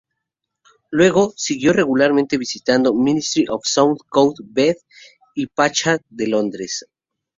Luego, siguió regularmente visitando Ministry Of Sound, Code, Bed y Pacha de Londres.